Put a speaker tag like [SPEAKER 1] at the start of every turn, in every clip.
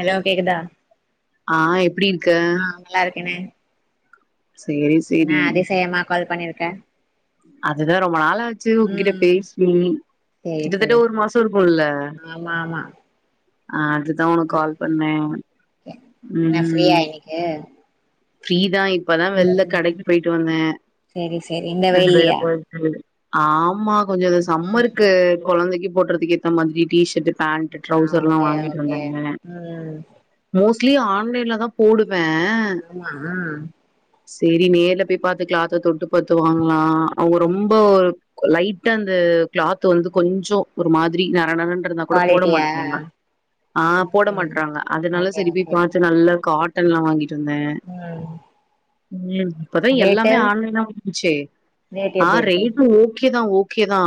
[SPEAKER 1] Hello கேக்குதா
[SPEAKER 2] ஆ எப்பிடி ந்
[SPEAKER 1] ஆஹ் நல்லா இருக் என்னங்
[SPEAKER 2] சேரி சேரி
[SPEAKER 1] கால் பண்ணிருக்க
[SPEAKER 2] அதுதே ரொம்ப நாளாச்சு உன்கிட்ட
[SPEAKER 1] ம்
[SPEAKER 2] பேசி
[SPEAKER 1] சேரி
[SPEAKER 2] கிட்டத்தட்ட
[SPEAKER 1] சேரி
[SPEAKER 2] ஒரு மாசோ இருக்கும்ல்ல
[SPEAKER 1] ஆமா ஆமா
[SPEAKER 2] ஆஹ் அடுத் அதா ஒனக் கால்
[SPEAKER 1] ம்
[SPEAKER 2] பண்ணேன் உம்
[SPEAKER 1] என்ன ஃப்ரீயா
[SPEAKER 2] ம்
[SPEAKER 1] இன்னைக்கு
[SPEAKER 2] ஃப்ரீ தா இப் இப்பதான் வெள்ள
[SPEAKER 1] ம்
[SPEAKER 2] கடைக்கு பேய்ட்டு வந்த
[SPEAKER 1] சேரி சேரி இந்த
[SPEAKER 2] ரெண்டு பேரு
[SPEAKER 1] வெயில்லயா
[SPEAKER 2] போய்ட்டு ஆமா கொஞ்சோ இந்த
[SPEAKER 1] ம்
[SPEAKER 2] சம்மர்க்கு கொழந்தைக்கு போடறதுக்கு ஏத்த மாதிரி டிஷர்ட் பேண்ட்
[SPEAKER 1] ஆ
[SPEAKER 2] ட்ரௌசர் எல்லாம்
[SPEAKER 1] ஓகே
[SPEAKER 2] வாங்கிட்டு
[SPEAKER 1] ஓகே
[SPEAKER 2] வந்தாங்க.
[SPEAKER 1] ம்
[SPEAKER 2] மோஸ் லி ஆன்லைன்ல தான் போடு வே
[SPEAKER 1] ஆ
[SPEAKER 2] சரி நேர்ல போய் பாத்துக்கலாம் ஆத்த தொட்டு பாத்து வாங்கலாம். அவங்க ரொம்ப லைட்டா அந்த கிளாத் வந்து கொஞ்சோ ஒரு மாதிரி ந நறநறன்றதனா கூட போட
[SPEAKER 1] குவாலிட்டியா
[SPEAKER 2] மாட்டாங்க ஆ போட
[SPEAKER 1] ம்
[SPEAKER 2] மாட்டறாங்க அதனால
[SPEAKER 1] ஓகே
[SPEAKER 2] சரி போய்
[SPEAKER 1] ஓகே
[SPEAKER 2] பார்த்து நல்லா காட் டென்லாம் வாங்கி டுமே
[SPEAKER 1] ம்
[SPEAKER 2] [unintelligible] இப்பதான்
[SPEAKER 1] ரேட்டு
[SPEAKER 2] எல்லாமே ஆன்லைனா வந்துச்சு ஆன் ரைட்டு ஓ கே தான் ஓகே. தா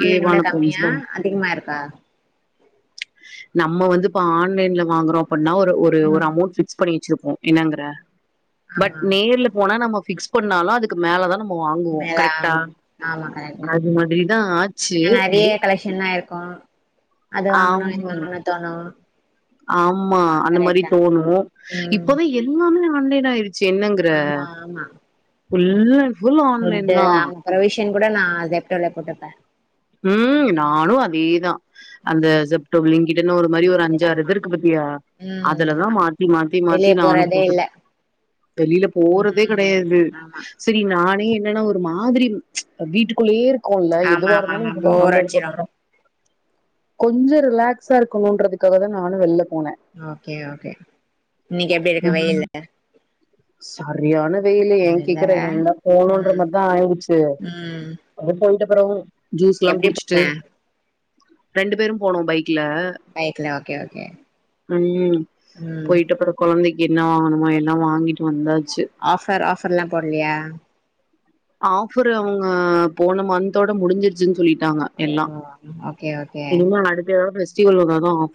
[SPEAKER 1] ஆன்லைன் விட
[SPEAKER 2] பிரைஸ்
[SPEAKER 1] கம்மியா
[SPEAKER 2] தா
[SPEAKER 1] அதிகமா இருக்கா -
[SPEAKER 2] நம்ம வந்து இப்ப ஆன்லைன்ல வாங்குறோ எப்டனா ஒரு ஒரு ஒரு
[SPEAKER 1] ம்
[SPEAKER 2] அமௌண்ட் பிக்ஸ் பண்ணிச்சிருப்போம். என்னங்கற பட்
[SPEAKER 1] ஆமா
[SPEAKER 2] நேர்ல போனா நம்ம பிக்ஸ் பண்ணாலும் அதுக்கு மேலதா நா
[SPEAKER 1] [unintelligible] ஆமா கரைட்டு
[SPEAKER 2] அது மாதிரிதா ஆச்சு
[SPEAKER 1] ஏன்னா நிறைய கலெசன்ல்லாம் இருக்கும். அது வாங்கணும் இது
[SPEAKER 2] ஆமா
[SPEAKER 1] வாங்கணும்னு தோணும்.
[SPEAKER 2] ஆமா அந்த மாரி தோணும்
[SPEAKER 1] ம்
[SPEAKER 2] இப்பதான் எல்லாமே ஆ ஆன்லைனா இரு சின்னங்கற
[SPEAKER 1] ஆமா ஆமா
[SPEAKER 2] ஃபுல்லா புல்லு ஆன்லைன் தான்
[SPEAKER 1] டின் கூட நான் ஜெப்டோல போட்டுபேன்.
[SPEAKER 2] உம் நானும் அதேதான் அந்த
[SPEAKER 1] ம்
[SPEAKER 2] ஜெப்டோ, ப்ளிங்கிட்டு ன்னு ஒரு மாரி ஒரு
[SPEAKER 1] நீங்கதா
[SPEAKER 2] அஞ்சாறு இது
[SPEAKER 1] ஆமா
[SPEAKER 2] இருக்கு பாத்தியா
[SPEAKER 1] ம்
[SPEAKER 2] அதுலதான்
[SPEAKER 1] ஆமா
[SPEAKER 2] மாத்தி மாத்தி மாத்தி
[SPEAKER 1] வெளிய
[SPEAKER 2] நானும்
[SPEAKER 1] போறதே இல்ல
[SPEAKER 2] போட்டு வெளில போறதே
[SPEAKER 1] ம்
[SPEAKER 2] கிடையாது
[SPEAKER 1] ஆமா
[SPEAKER 2] சரி நானே என்னன்னா ஒரு மாதிரி வீட்டுக்குள்ளேயே இரு கோன்ல
[SPEAKER 1] ஆமா
[SPEAKER 2] எதுவார்
[SPEAKER 1] ஆமா ஆமா போர் அச்சிரோம்.
[SPEAKER 2] கொஞ்சோ ரிலாக்ஸா இருக்கணும்ன்றதுக்காக தான் நானும் வெள்ளன்
[SPEAKER 1] ஓகே ஓகே இன்னைக்கு எப்படி இருக்கு
[SPEAKER 2] ம்
[SPEAKER 1] வெயில்ல
[SPEAKER 2] சரியான வெயல ஏ கேக்குற போணுன்ற
[SPEAKER 1] ம்
[SPEAKER 2] மாதிரி தா ஆயிடுச்சு
[SPEAKER 1] ம்
[SPEAKER 2] அ போய ப்றோ ஜூஸ் எல்லா
[SPEAKER 1] எப்டி
[SPEAKER 2] குடிச்சுட்டு.
[SPEAKER 1] போன
[SPEAKER 2] ரெண்டு பேரும் போனோம் பைக்
[SPEAKER 1] பைக்ல ஓகே ஓகே
[SPEAKER 2] உஹம்
[SPEAKER 1] ம்
[SPEAKER 2] போயிட்ட அப்புறம் குழந்தைக்கு என்ன வாங்கணுமா எல்லாம் வாங்கிட்டு.
[SPEAKER 1] ஆஃபர் ஆஃபர் எல்லா போடலையா?
[SPEAKER 2] ஆஃபர் அவங்க போன மந்த்தோட முடிஞ்சு [unintelligible] ஆமா
[SPEAKER 1] ஓ
[SPEAKER 2] எல்லாம்
[SPEAKER 1] ஓகே
[SPEAKER 2] இனிமே அடுத்த [inaudible]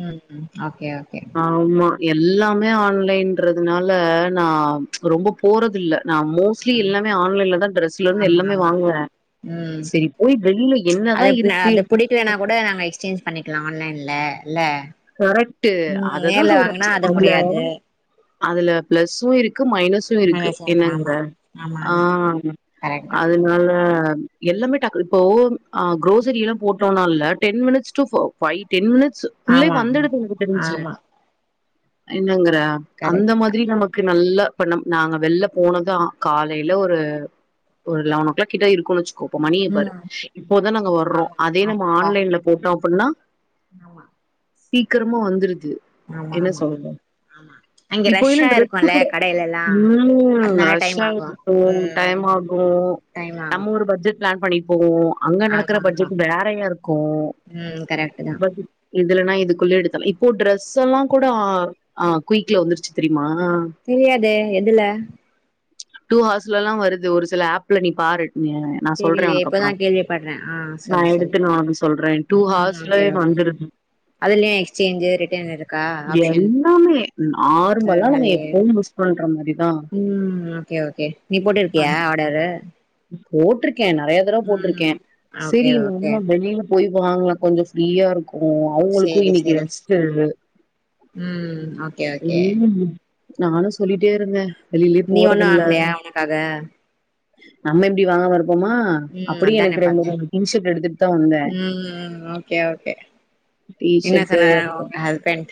[SPEAKER 1] உம் அப்படியா ஓகே.
[SPEAKER 2] ஆமா எல்லாமே ஆன்லைன்ன்றதுனால நா ரொம்ப போறதில்ல. நா மோஸ்ட்லி
[SPEAKER 1] ம்
[SPEAKER 2] எல்லாமே ஆன்லைன்லதா ட்ரெஸ்ல இருந்து எல்லாமே வாங்குவ.
[SPEAKER 1] அ அது புடிக்கலன்னா கூட நாங்க எக்ஸ்சேஞ்ச் பண்ணிக்கலா ஆன்லைன்ல. இல்ல
[SPEAKER 2] கரெக்ட்
[SPEAKER 1] ம்
[SPEAKER 2] அததான்
[SPEAKER 1] நேர்ல
[SPEAKER 2] சொல்றே
[SPEAKER 1] வாங்குனா அது
[SPEAKER 2] அதுல
[SPEAKER 1] முடியாது
[SPEAKER 2] அதுல பிளஸு இருக்கு. க்கு மைனஸு இருக்கு
[SPEAKER 1] மேனேஜர்
[SPEAKER 2] என்னங்கற
[SPEAKER 1] ஆமா ஆமா ஆமா
[SPEAKER 2] ஆஹ்
[SPEAKER 1] கரெக்ட் தா
[SPEAKER 2] அதனால எல்லாமே டக்கு இப்போ அ குரோசரில்லா போட்டோன்னால ten minutes to by ten minutes
[SPEAKER 1] ஆமா ம்.
[SPEAKER 2] [unintelligible] எனக்கு தெரிஞ்சு.
[SPEAKER 1] ஆமா
[SPEAKER 2] என்னங்க? அந்த
[SPEAKER 1] கரெக்ட்
[SPEAKER 2] மாதிரி நமக்கு நல்ல பண்ணம் நாங்க வெளில போனதான் காலையில ஒரு ஒரு லெவன் ஓ கிளாக் கிட்ட இருக்கும்ச்ச மணிய
[SPEAKER 1] ம்
[SPEAKER 2] பாரு இப்போதான் நாங்க வர்றோம்
[SPEAKER 1] ஆமா
[SPEAKER 2] அதே நம்ம
[SPEAKER 1] ஆமா
[SPEAKER 2] ஆன்லைன்ல போட்டொ பாண்ணா
[SPEAKER 1] ஆமா.
[SPEAKER 2] சீக்கிரமா வந்துருது.
[SPEAKER 1] ஆமா
[SPEAKER 2] என்ன
[SPEAKER 1] ஆமா
[SPEAKER 2] சொல்லணு [unintelligible]
[SPEAKER 1] ஆமா அங்க
[SPEAKER 2] இந்த
[SPEAKER 1] ரஷ்ஷா
[SPEAKER 2] ட்ரெஸ்ஸு
[SPEAKER 1] இருக்குல்ல
[SPEAKER 2] கூட
[SPEAKER 1] கடையிலல்லா
[SPEAKER 2] ம்
[SPEAKER 1] அதனால டைம்
[SPEAKER 2] ஆக்சுவலா
[SPEAKER 1] ஆகு
[SPEAKER 2] இப்போ [unintelligible] டைம்
[SPEAKER 1] ம்
[SPEAKER 2] ஆகு
[SPEAKER 1] டைம் ஆகு
[SPEAKER 2] நம்ம ஒரு பட்ஜெட் பிளான் பண்ணி போவோ அங்க நடக்கற
[SPEAKER 1] ஆமா ஆமா
[SPEAKER 2] பட்ஜெட் வேறையா இருக்கு
[SPEAKER 1] ம் கரெக்ட் தா
[SPEAKER 2] பட் இதுலன்னா இதுக்குள்ளே எடுத்தலாம் இப்போ ட்ரெஸ் எல்லாம் கூட ஆஹ குய்ல வந்துருச்சு தெரியுமா?
[SPEAKER 1] தெரியாதே எதுல
[SPEAKER 2] டூ ஹாஸ்லெல்லாம் வருது ஒரு சில ஆப்ல நீ பாரு நா சொல்றே
[SPEAKER 1] தெரியலையே
[SPEAKER 2] உனக்கு
[SPEAKER 1] இப்பதா
[SPEAKER 2] அப்றோ
[SPEAKER 1] கேள்விப்படுறே ஆ
[SPEAKER 2] நா
[SPEAKER 1] சொல்லு சொல்லு
[SPEAKER 2] எடுத்துன் வானு சொல்றே டூ
[SPEAKER 1] ம்
[SPEAKER 2] ஹவர்ஸ்ல
[SPEAKER 1] ஓகே ஓகே
[SPEAKER 2] வந்துருது
[SPEAKER 1] அதுலயு எக்ஸ்சேஞ்சு ரிட்டர்ன் இருக்கா ஆப்ஷன்
[SPEAKER 2] எல்லாமே நார்மலா நம்ம
[SPEAKER 1] பரவாலயே
[SPEAKER 2] எப்பவு யூஸ் பண்ற மாரிதான்
[SPEAKER 1] கே ஓகே நீ போட்டு இருக்கியா ஆடரு?
[SPEAKER 2] போட்ருக் கே நெறைய தடவ போட்ருக்கே
[SPEAKER 1] ஓகே
[SPEAKER 2] செரி
[SPEAKER 1] ஓகே
[SPEAKER 2] உண்ம வெளில போய் வாங்லே கொஞ்சோ ஃப்ரீயா இருக்கும் ஓ அவுங்ளுக்கு
[SPEAKER 1] சேரி
[SPEAKER 2] இன்னிக்கி
[SPEAKER 1] சேரி
[SPEAKER 2] ரெஸ்டு
[SPEAKER 1] ம் ஓகே ஓகே
[SPEAKER 2] நானும் சொல்லிட்டேயிருந்தேன்
[SPEAKER 1] நீ ஒண்ணும் வாங்லையா உனக்காக
[SPEAKER 2] நம்ம எப்டி வாங்காம இருப் போவமா
[SPEAKER 1] ம்
[SPEAKER 2] அப்டிய
[SPEAKER 1] அதானே
[SPEAKER 2] எனக்கு ரெண்டு
[SPEAKER 1] பாத்தே
[SPEAKER 2] மூணு டீஷர்ட் எடுத்துட் தான் வந்தே
[SPEAKER 1] ம் ஓகே ஓகே என்ன
[SPEAKER 2] டீஷட்டு
[SPEAKER 1] சொன்னாரு
[SPEAKER 2] அப்ரோ
[SPEAKER 1] உங்க ஹஸ்பண்ட்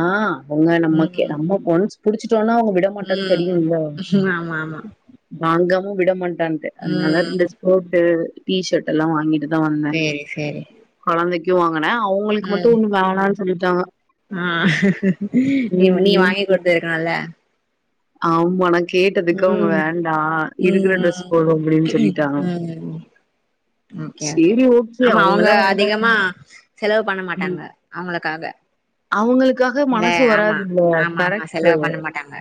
[SPEAKER 2] ஆ உங்க நம்மகே
[SPEAKER 1] ம்
[SPEAKER 2] நம்ம போனுச் புடிச்சிட் டோன்னா அவங்க விட மாட்டான்னு
[SPEAKER 1] ம்
[SPEAKER 2] தெரியும்ல்ல?
[SPEAKER 1] ஆமா ஆமா
[SPEAKER 2] வாங்கமு விடமாட் தன்டே அத்னால
[SPEAKER 1] ம்
[SPEAKER 2] ரிண்டுஸ் போட்டு டீஷட் எல்லா வாங்கிட ப்தா வந்த
[SPEAKER 1] சேரி சேரி
[SPEAKER 2] கொழந்தைக்கி க்யுவாங் வன அவுங்களுக்
[SPEAKER 1] ம்
[SPEAKER 2] மட்டு ஒன்னு வேணான் சொல்லிட்டாங்க
[SPEAKER 1] ஆ நீவ் நீ வாங்கி குட்த்ததுனால
[SPEAKER 2] ஆம் வணக் கேட்டதுக்கு அவுங்க வேண்டா இருக்குற ட்ரெஸ்
[SPEAKER 1] ம்
[SPEAKER 2] போது அப்புடின் சொல்லிட்டாங்க
[SPEAKER 1] ம் ஓகே ஓகே
[SPEAKER 2] சேரி
[SPEAKER 1] ஆமா அவுங்க
[SPEAKER 2] அவங்களே வேணா
[SPEAKER 1] அதிகமா செலவு பண்ண மாட்டாங்க
[SPEAKER 2] ம்
[SPEAKER 1] அவ்ங்களுக்காக
[SPEAKER 2] அவங்களுக்காக
[SPEAKER 1] ல்ல
[SPEAKER 2] மனசு
[SPEAKER 1] ஆமா
[SPEAKER 2] வராதுல்ல
[SPEAKER 1] ஆமா ஆமா
[SPEAKER 2] கரெக்ட்டு
[SPEAKER 1] செலவ் பண்ண மாட்டாங்க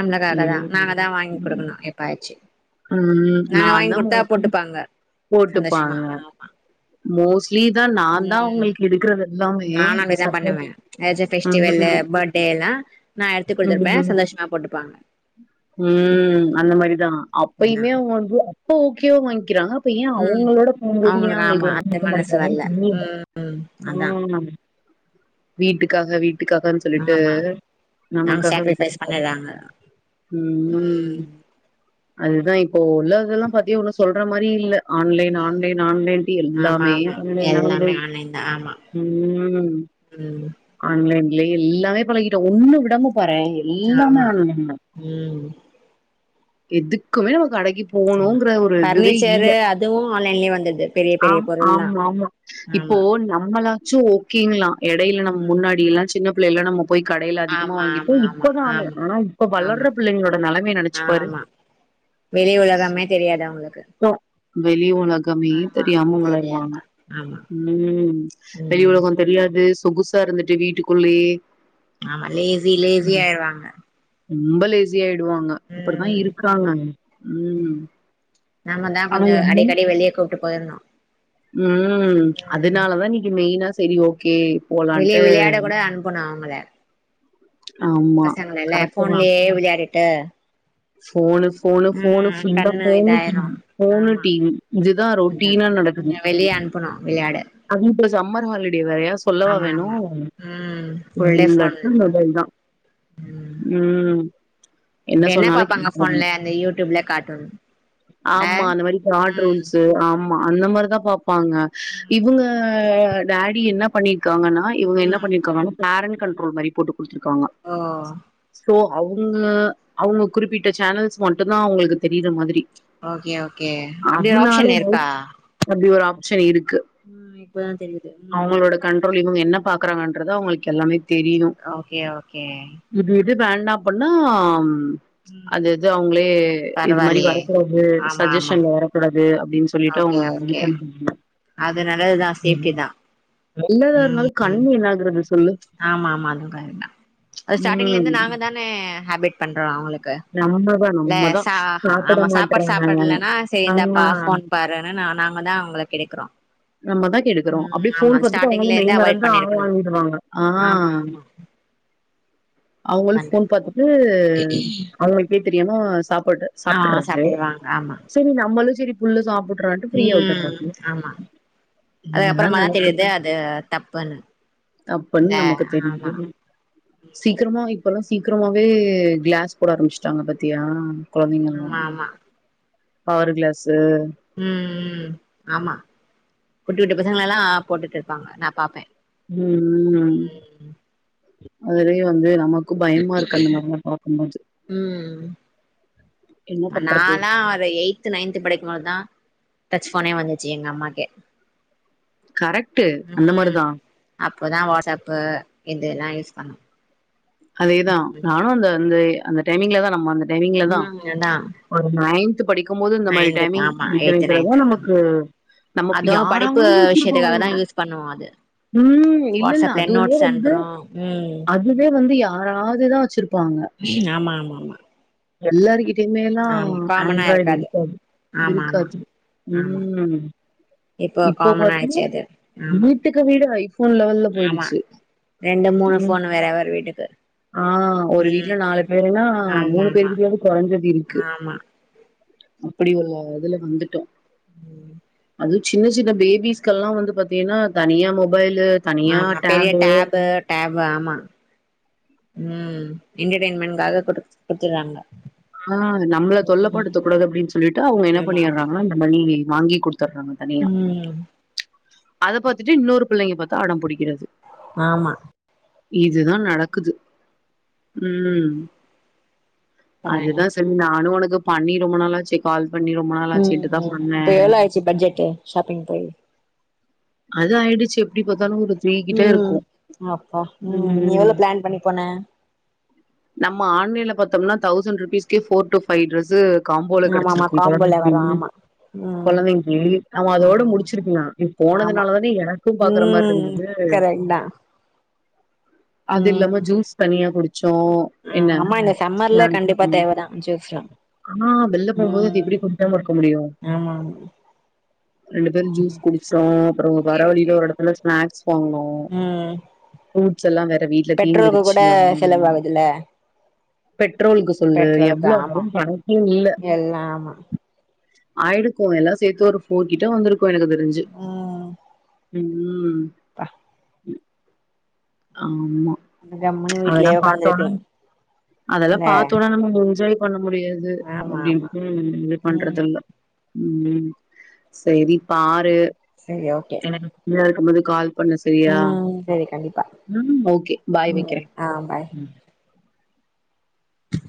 [SPEAKER 1] நம்ளக்காக தா நாங்க தா வாங்கி
[SPEAKER 2] என்
[SPEAKER 1] குடுக்குணு எப்ப ஆச்சு
[SPEAKER 2] ம் நாந்தா மோசு
[SPEAKER 1] சந்தோஷமா ஆமா
[SPEAKER 2] மோஸ் [unintelligible] நான் தான்
[SPEAKER 1] ம்
[SPEAKER 2] உங்களுக்கு எடுக்கிறது
[SPEAKER 1] நானு அப்டிதா பண்ணுவே ஏச்ச ஃபெஷ்ட்டிவெல்லு
[SPEAKER 2] ம்,
[SPEAKER 1] பட்டேலா நா எட்த்து குட்த்துருப்பே
[SPEAKER 2] ம்,
[SPEAKER 1] சந்தோஷ்மா போட்டுப்பாங்க ம் ம்
[SPEAKER 2] பொய்மே அவுங்க வந்து [unintelligible] அப்ப ஏன்
[SPEAKER 1] ம்
[SPEAKER 2] அவங்களோட போகும்போது ஏன் அவங்களுக்கு
[SPEAKER 1] ஆமா அந்த மனசு வரல ம் அதா
[SPEAKER 2] [unintelligible] வீட்டுக்காக வீட் இதுக்காகனு சொல்லிட்டு
[SPEAKER 1] ஆமா நாங்க
[SPEAKER 2] நமக்காக வி
[SPEAKER 1] சாக்ரிஃபைஸ் பண்ணிறாங்க
[SPEAKER 2] ம் [unintelligible] [unintelligible] [unintelligible] மாரி இல்ல ஆன்லைன்
[SPEAKER 1] ம்
[SPEAKER 2] ஆன்லைன் ஆன்லைன்டு
[SPEAKER 1] ஆமா
[SPEAKER 2] எல்லாமே
[SPEAKER 1] ஆமா எல்லாமே
[SPEAKER 2] ஆன்லைன்
[SPEAKER 1] ஆன்லைன் தா ஆமா
[SPEAKER 2] [unintelligible]
[SPEAKER 1] ம்
[SPEAKER 2] ஆன்லைன்ல எல்லாமே பழகிட்டோம் ஒன்னு விடாம பாரன் எல்லாமே
[SPEAKER 1] ஆமா
[SPEAKER 2] ஆன்லைன்
[SPEAKER 1] ம்
[SPEAKER 2] எதுக்குமே நம்ம கடைக்
[SPEAKER 1] ஆமா
[SPEAKER 2] போணும்ங்கிற ஒரு இதுவே இல்ல
[SPEAKER 1] பர்னிச்சரு அதுவு ஆன்லைன்லயே வந்தது பெரிய
[SPEAKER 2] ஆ
[SPEAKER 1] பெரிய பொருள்லா
[SPEAKER 2] ஆமா ஆமா இப்போ
[SPEAKER 1] ஆமா
[SPEAKER 2] நம்மளா [unintelligible] ச்சு ஒகேங்களா எடைல
[SPEAKER 1] ம்
[SPEAKER 2] முன்னாடி எல்லா சின்னப் [unintelligible] போய் கடையில அதிகமா
[SPEAKER 1] ஆமா
[SPEAKER 2] வாங்கிட்டு
[SPEAKER 1] ஆமா ஆமா
[SPEAKER 2] இப்பதான்
[SPEAKER 1] ஆமா
[SPEAKER 2] ஆனா இப்ப வளர்ற
[SPEAKER 1] ஆமா
[SPEAKER 2] பிள்ளைகளோட நிலைமைைய நினைச்சுப்பாரு
[SPEAKER 1] ஆமா வெளி உலகமே தெரியாது அவங்களுக்கு
[SPEAKER 2] [unintelligible] கமே
[SPEAKER 1] ஆமா
[SPEAKER 2] தெரியாம வளருவாங்க
[SPEAKER 1] தெரியாம ஆமா
[SPEAKER 2] உம் வெளி
[SPEAKER 1] ம்
[SPEAKER 2] உலகம் தெரியாது [unintelligible] இருந்துட்டு வீட்டுக்குள்ளேயே
[SPEAKER 1] ஆமா லேசி லேசியாயிருவாங்க
[SPEAKER 2] ரொம்ப லேசி அப்படி தான் இருக்காங்க ம்
[SPEAKER 1] நாம தா கொஞ்சோ அடிக்கடி வெளிய கூப்ட்டு போயிருந்தோ
[SPEAKER 2] அதனாலதான் செரி ஓகே
[SPEAKER 1] வெளியே
[SPEAKER 2] போலான்ட்டு
[SPEAKER 1] விளையாட கூட அனுப்பனும் அவங்கள [inaudible]
[SPEAKER 2] ஆமா
[SPEAKER 1] பசங்கல
[SPEAKER 2] கரெக்ட்டு தா
[SPEAKER 1] போன்லயே விளாடிட்டு
[SPEAKER 2] [unintelligible] ஃபோனு ஃபோனு
[SPEAKER 1] கண்ணு இதாயிரு
[SPEAKER 2] [unintelligible] ஃபோனு
[SPEAKER 1] ஆமா
[SPEAKER 2] டிவி இதுதா
[SPEAKER 1] அதா
[SPEAKER 2] ரொட்டீனா நடக்குது
[SPEAKER 1] கொஞ்சோ வெளிய அனுப்புனோ விளையாட
[SPEAKER 2] அது இப்ப சம்மர் ஹாலிடே வெரையா சொல்லவா
[SPEAKER 1] ஆமா
[SPEAKER 2] வேணு
[SPEAKER 1] ஆமா ம் ஃபுல் டே ஃபோன்
[SPEAKER 2] [unintelligible] மொபைல் தா
[SPEAKER 1] ம்
[SPEAKER 2] உம். என்ன சொன்னாலு
[SPEAKER 1] ப்பாங்க போன்ல அந்த யூடியூப்ல காட்டூன் ஹ உம்
[SPEAKER 2] மா அந்த மாதிரிதா பாப் வாங்க இவங்க டாடி என்ன பண்ணிட்டு க்காங்கன்னா இவ்ங்க என்ன
[SPEAKER 1] ம்
[SPEAKER 2] பண்ணிருக்காங்க பேரண்ட் கண்ட்ரோல் மாரி போட்டுக் கொடுத்துருக்காங்க
[SPEAKER 1] ஓ
[SPEAKER 2] சோ அவுங்க அவுங்க குறிப்பிட்ட சேனல்ஸ் மட்டுதா அவங்களுக்கு தெரியிற மாதிரி
[SPEAKER 1] ஓகே ஓகே அப்டி ஒரு ஆப்ஷன் இருக்கா?
[SPEAKER 2] சரி இருக்
[SPEAKER 1] உஹ்ம் இப்பதா தெரியுது உம்.
[SPEAKER 2] பாக்குறாங்கன்றத உங்களுக்கு எல்லாமே தெரியு
[SPEAKER 1] ஓகே ஓகே.
[SPEAKER 2] இது இது வேண்டா அப்படின்னா அது
[SPEAKER 1] ம்
[SPEAKER 2] அது அவுங்ளே இது மாரி
[SPEAKER 1] பரவாயில்லையே
[SPEAKER 2] வரக்கூடாது
[SPEAKER 1] ஆமா ஆமா
[SPEAKER 2] சஜஷன் வரக்கூடா அது அப்படின்னு சொல்லிட்டு
[SPEAKER 1] ஓகே
[SPEAKER 2] அவங்கங்க
[SPEAKER 1] ஓகே
[SPEAKER 2] இது [unintelligible]
[SPEAKER 1] அது நல்லதுதா சேஃப்ட்டி தா.
[SPEAKER 2] நல்லதா
[SPEAKER 1] ம்
[SPEAKER 2] இருந்தாலும் கண்ணு என்னா ஆகறது.
[SPEAKER 1] ஆமா ஆமா அதுவு கரெக்ட் தா அது ஸ்டாரிங்ல
[SPEAKER 2] ம்
[SPEAKER 1] இருந்து நாங்க தானே ஹேபிட் பண்றோ அவங்களுக்கு.
[SPEAKER 2] நம்மதா
[SPEAKER 1] ல
[SPEAKER 2] நம்மதா
[SPEAKER 1] சஹ
[SPEAKER 2] சாப்ட
[SPEAKER 1] ஆமா சாப்பாடு
[SPEAKER 2] மாட்றாங்க
[SPEAKER 1] சாப்பாடுலன்னா சர் இந்தாப்பா
[SPEAKER 2] ஆ
[SPEAKER 1] போன் பாருனு நா நாங்க தான் அவங்கள கெடுக்குறோம்.
[SPEAKER 2] நம்ம தா கெடுக்குறோ அப்டே ஃபோன் பாத்துட்டு
[SPEAKER 1] ஸ்டார்டிங்ல
[SPEAKER 2] அவுங்களு
[SPEAKER 1] இருந்தே
[SPEAKER 2] மெய்
[SPEAKER 1] அவாய்ட்
[SPEAKER 2] மறந்து ஆ
[SPEAKER 1] பண்ணிருக்கணு
[SPEAKER 2] வாங்கிடுவாங்க. ஆ
[SPEAKER 1] ஆமா ஆமா.
[SPEAKER 2] அவங்களு
[SPEAKER 1] உக்காந்து
[SPEAKER 2] ஃபோன் பாத்துட்டு அவங்க கே பிரியமா சாப் போய்டு
[SPEAKER 1] ஆ
[SPEAKER 2] சாப்பிடறது
[SPEAKER 1] சாப்ட்டுருவாங்க ஆமா
[SPEAKER 2] சரி நம்மளும் சரி புல்ல சாப்புட்
[SPEAKER 1] ம், ஆமா
[SPEAKER 2] இதுதா
[SPEAKER 1] அதுகப்புறமாதா
[SPEAKER 2] நடக்குது
[SPEAKER 1] தெரியுது அது தப்புன்னு, இந்த
[SPEAKER 2] தப்புன்னு நமக்கு தெரியுது
[SPEAKER 1] ஆமா
[SPEAKER 2] சீக்கிரமா இப்பல்லா சீக்கிரமாவே கிளாஸ் போட ஆரம்பிஸ்டாங்க பாத்தியா. கொழந்தைங்கல்லா
[SPEAKER 1] ஆமா ஆமா
[SPEAKER 2] ஆறு கிளாஸ்
[SPEAKER 1] ம், ம் ஆமா. குட்டி குட்டி பசங்கலல்லா போட்டுட்டுருப்பாங்க நா பாப்பே.
[SPEAKER 2] ம், ம். அதுலயு வந்து நமக்
[SPEAKER 1] ம்,
[SPEAKER 2] என்ன பண்றது
[SPEAKER 1] நாலா ஒரு எயித்து, நைன்த்து, படிக்கு போது தா டச் போனே வந்துச்சு எங்க அம்மாக்கே.
[SPEAKER 2] கரெக்டு அந்த மாரிதா
[SPEAKER 1] ப்போதா வாட்ஸ்சப்பு இதெல்லா யூஸ் பண்ணும்
[SPEAKER 2] அதேதா நானு அந்த வந்து அந்த டைமிங்ல தா நம் வந்து டைமிங்லதா
[SPEAKER 1] ம் அதா
[SPEAKER 2] ஒரு நைன்த்து படிக்கும்போது இந்த மாரி
[SPEAKER 1] நைன்து
[SPEAKER 2] டைமிங்
[SPEAKER 1] ஆமா எய்த்
[SPEAKER 2] [unintelligible] ஓ
[SPEAKER 1] நைன்து ஆமா
[SPEAKER 2] நமக்கு நம்மப்
[SPEAKER 1] அதுவு படிப்பு
[SPEAKER 2] யாராரோ
[SPEAKER 1] விஷயத்துக்காக
[SPEAKER 2] வச்சிருபாங்க,
[SPEAKER 1] தா யூஸ் பண்ணுவோ அது
[SPEAKER 2] ம் இல்லல்ல
[SPEAKER 1] வாட்ஸ்அப்ல
[SPEAKER 2] அதுவே
[SPEAKER 1] நோட்ஸ்
[SPEAKER 2] வந்து
[SPEAKER 1] அனுப்புறோ ம்
[SPEAKER 2] அதுவே வந்து யாராவதுதா வச்சிருப்பாங்க.
[SPEAKER 1] ஆமா ஆமா ஆமா.
[SPEAKER 2] எல்லாருக்கிட் [unintelligible]
[SPEAKER 1] ஆமா காமனா
[SPEAKER 2] ஆண்ட்ராய்டு இருக்காது
[SPEAKER 1] ஆமா ஆமா
[SPEAKER 2] இருக்காது,
[SPEAKER 1] ஆமா
[SPEAKER 2] ம் இப்போ
[SPEAKER 1] காமன் ஆயிடுச்சு
[SPEAKER 2] பாத்தின்னா
[SPEAKER 1] அது ஆமா
[SPEAKER 2] வீட்டுக்கு வீடு ஹய் ஃபோ ஃபோன் லெவல்ல
[SPEAKER 1] ஆமா
[SPEAKER 2] போயிடுச்சு,
[SPEAKER 1] ரெண்டு மூணு
[SPEAKER 2] ம்
[SPEAKER 1] ஃபோன் வேற வேற வீட்டுக்கு
[SPEAKER 2] ஆஹ, ஒரு வீட்டுல நாலு
[SPEAKER 1] ம்
[SPEAKER 2] பேருனா
[SPEAKER 1] ஆமா
[SPEAKER 2] மூணு
[SPEAKER 1] ஆமா
[SPEAKER 2] [unintelligible] குறஞ்சது இருக்கு.
[SPEAKER 1] ஆமா
[SPEAKER 2] அப்படி ஒரு இதுல வந்துட்டோ.
[SPEAKER 1] ம்.
[SPEAKER 2] அது சின்ன சின்ன பேபிஸ்கல்லா வந்து பாத்தீன்னா தனியா மொப் மொபைலு தனியா
[SPEAKER 1] ஆமா பெரிய
[SPEAKER 2] டேப்பு
[SPEAKER 1] டேபு டேபு ஆமா, ம் என்டர்டென்மெண்ட்காக குடுத் - குடுத்துறாங்க.
[SPEAKER 2] ஆஹ், நம்மள
[SPEAKER 1] ம்
[SPEAKER 2] தொல்லப்படுத்த கூடாது அப்டின் சொல்லிட்டு அவங்க என்ன
[SPEAKER 1] ஆமா ஆமா
[SPEAKER 2] பண்ணிடுறாங்கன்னா இந்த மாறி வாங்கி குடுத் தொர்றாங்க தனியா
[SPEAKER 1] ம்
[SPEAKER 2] அத பாத்துட்டு இன்னொரு பிள்ளைங்க பாத்து அடம்புடிக்கிறது.
[SPEAKER 1] ஆமா.
[SPEAKER 2] இதுதா நடக்குது. ம்.
[SPEAKER 1] அப்றோ
[SPEAKER 2] அது
[SPEAKER 1] என்ன
[SPEAKER 2] தா சரி நானு உனக்கு பண்ணி ரொம்ப நாள் ஆச்சி கால் பண்ணி ரொம்ப நாளாச்சுட்டுதா
[SPEAKER 1] உம்
[SPEAKER 2] பண்ணே
[SPEAKER 1] இப்போ எவ்ளோ, ஆயிட்சு பட்ஜெட்டு் ஷாப்பிங் போய்.
[SPEAKER 2] அது ஆயிடுச்சு எப்டி பாத்தாலு ஒரு த்ரீ கிட்ட
[SPEAKER 1] ம்
[SPEAKER 2] இருக்கு
[SPEAKER 1] அப்பா ம் நீ எவ்ளோ பிளான் பண்ணி போன.
[SPEAKER 2] நம்ம ஆன்லைன்லே பாத்தம்னா, தௌசண்ட் ருபீஸ்கே போர்டூஃபை டிரெஸ்சு. காம்போல
[SPEAKER 1] ஆமா ஆமா
[SPEAKER 2] கிடைச்சிருக்கு
[SPEAKER 1] காம்போல
[SPEAKER 2] குழந்தைக்கி,
[SPEAKER 1] வரு ஆமா ம்
[SPEAKER 2] குழந்தைங்கி அவன்
[SPEAKER 1] ஆமா
[SPEAKER 2] அதோட
[SPEAKER 1] ஆமா
[SPEAKER 2] முடிச்சிருக்கல நீ
[SPEAKER 1] ஆமா
[SPEAKER 2] போனதுனாலதானே, எனக்கு பாக்குற மாரி
[SPEAKER 1] ம்
[SPEAKER 2] இருந்தது.
[SPEAKER 1] கரெக்ட் தா
[SPEAKER 2] அது இல்லாம
[SPEAKER 1] ம்
[SPEAKER 2] ஜூஸ் தனியா குடிச்சோ என்ன
[SPEAKER 1] ஆமா இந்த
[SPEAKER 2] ஆ
[SPEAKER 1] சம்மர்ல கண்டிப்பா
[SPEAKER 2] ம்
[SPEAKER 1] தேவதா ஜூஸ்லா
[SPEAKER 2] ஆனா வெள்ள போகும்போது, அது
[SPEAKER 1] ம்
[SPEAKER 2] எப்டி குடிக்கம இருக்க முடியு,
[SPEAKER 1] ஆமா ஆமா
[SPEAKER 2] ரெண்டு பேரு ஜூஸ்
[SPEAKER 1] ம்
[SPEAKER 2] குடிச்டோ, அப்புற வர
[SPEAKER 1] ஓகே ஓகே
[SPEAKER 2] வழியில ஒரு இடத்துல நா அடிச் போகனு
[SPEAKER 1] ம்
[SPEAKER 2] புரூட்ஸ் எல்லா வேற வீட்டுலே
[SPEAKER 1] பெட்ரோலுக்கு
[SPEAKER 2] தீந்துருச்சு
[SPEAKER 1] கூட செலவாகுதுல
[SPEAKER 2] பெட் பெட்ரோலுக்கு சொல்லு
[SPEAKER 1] பெட்ரோலுக்கு
[SPEAKER 2] எவ்ளோ வரு
[SPEAKER 1] ஆமா
[SPEAKER 2] கணக்கே இல்ல
[SPEAKER 1] எல்லா ஆமா
[SPEAKER 2] ஆயிருக்கு எல்லா சேத்து, ஒரு ஃபோர் கிட்ட வந்திருக் போயிருக்கு தெரிஞ்சி ம் ம்
[SPEAKER 1] அஹ்
[SPEAKER 2] ஆமா
[SPEAKER 1] கம்முனு
[SPEAKER 2] அதெல்லா
[SPEAKER 1] வீட்லயே
[SPEAKER 2] பாத்தோனா
[SPEAKER 1] உக்காந்துருக்கீங்
[SPEAKER 2] அதெல்லா
[SPEAKER 1] இல்ல
[SPEAKER 2] பாத்தோனா நம்ம என்ஜாய் பண்ண முடியாது
[SPEAKER 1] ஆமா ஆமா
[SPEAKER 2] அப்புடின்டு இது
[SPEAKER 1] ம்
[SPEAKER 2] பண்றதில்லே. உம் செரி பாரு
[SPEAKER 1] சரி ஓகே
[SPEAKER 2] எனக் [unintelligible] கால் பண்ணு சரியா
[SPEAKER 1] ம் சரி
[SPEAKER 2] ம்ம் ஓகே பாய் வைக்கிறே.
[SPEAKER 1] ஆஹ் பாய்
[SPEAKER 2] ம்